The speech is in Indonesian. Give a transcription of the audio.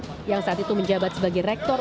yang saat itu menjabat sebagai rektor